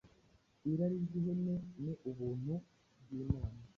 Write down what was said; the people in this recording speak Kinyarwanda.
Irari ry'ihene ni ubuntu bw'Imana.